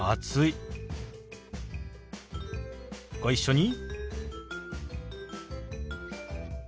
ご一緒に。